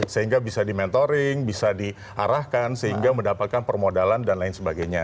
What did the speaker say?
sehingga bisa di mentoring bisa diarahkan sehingga mendapatkan permodalan dan lain sebagainya